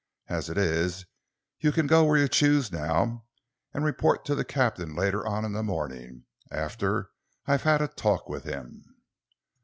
As it is, you can go where you choose now and report to the captain later on in the morning, after I have had a talk with him."